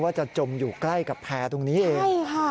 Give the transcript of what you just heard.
ว่าจะจมอยู่ใกล้กับแพร่ตรงนี้ใช่ค่ะ